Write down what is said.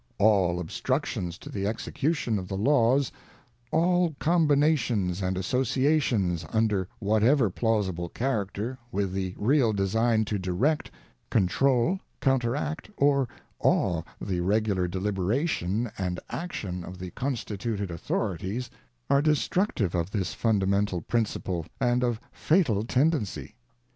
All obstructions to the execution of the Laws, all combinations and associations, under whatever plausible character, with the real design to direct, controul, counteract, or awe the regular deliberation and action of the constituted authorities, are destructive of this fundamental principle and of fatal tendency.